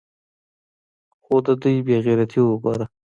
خو د دوى بې غيرتي اوګوره.